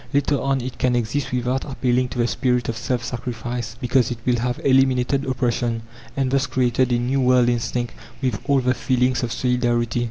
Later on it can exist without appealing to the spirit of self sacrifice, because it will have eliminated oppression, and thus created a new world instinct with all the feelings of solidarity.